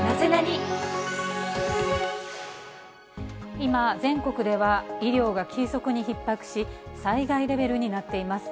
今、全国では、医療が急速にひっ迫し、災害レベルになっています。